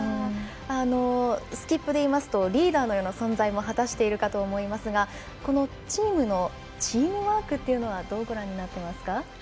スキップでいいますとリーダーのような存在も果たしているかと思いますがチームワークというのはどうご覧になってますか？